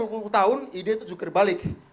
dua periode setiap dua puluh tahun ide itu juga di balik